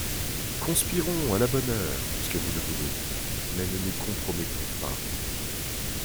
Conspirons, à la bonne heure, puisque vous le voulez, mais ne nous compromettons pas.